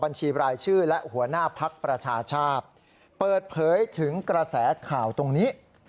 บัญชีรายชื่อและหัวหน้าภักดิ์ประชาชาติเปิดเผยถึงกระแสข่าวตรงนี้